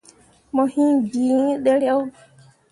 Mo hiŋ bii iŋ dǝyeero.